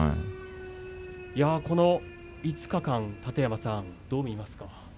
この５日間楯山さんどう見ますか？